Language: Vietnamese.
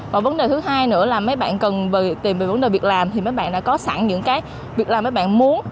và vấn đề thứ hai nữa là mấy bạn cần tìm về vấn đề việc làm thì mấy bạn đã có sẵn những cái việc làm mấy bạn muốn